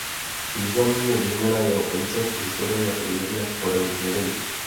Významný je zejména jeho koncept historie jako jedné z forem zjevení.